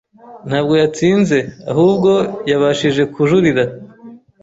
Ntabwo yatsinze.ahubwo yabashije kujurira